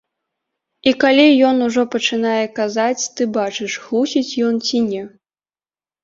І калі ён ужо пачынае казаць, ты бачыш, хлусіць ён ці не.